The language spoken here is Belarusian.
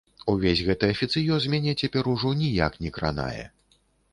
Увесь гэты афіцыёз мяне цяпер ужо ніяк не кранае.